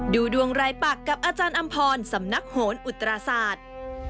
ดูดวงรายปักกับอาจารย์อำพรสำนักโหนอุตราศาสตร์